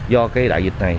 do cái đại dịch này